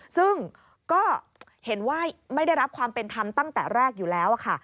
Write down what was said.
ซึ่งก็เห็นว่าไม่ได้รับความเป็นธรรมตั้งแต่แรกอยู่แล้วค่ะ